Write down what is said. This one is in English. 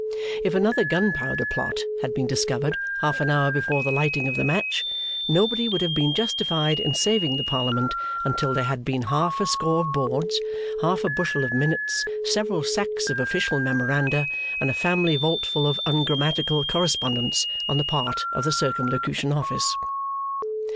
If another Gunpowder Plot had been discovered half an hour before the lighting of the match, nobody would have been justified in saving the parliament until there had been half a score of boards, half a bushel of minutes, several sacks of official memoranda, and a family vault full of ungrammatical correspondence, on the part of the Circumlocution Office.